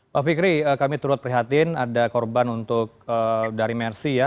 pak fikri kami turut prihatin ada korban untuk dari mercy ya